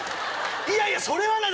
いやいやそれはない！